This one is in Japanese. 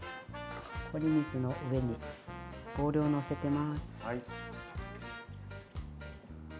氷水の上にボウルをのせてます。